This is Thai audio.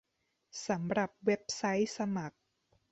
สำหรับเว็บไซต์สมัคร